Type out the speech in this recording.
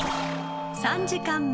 ［３時間目］